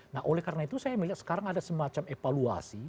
nah oleh karena itu saya melihat sekarang ada semacam evaluasi